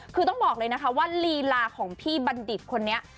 คือต้องบอกเลยนะคะว่าลีลาของพี่บัณฑิตคนนี้